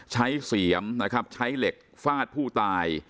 เสียมนะครับใช้เหล็กฟาดผู้ตาย